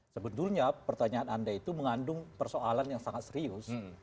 sebetulnya pertanyaan anda itu mengandung persoalan yang sangat serius